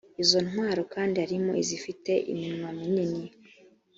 izo ntwaro kandi harimo izifite iminwa minini